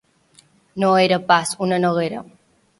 No ho era pas, una noguera.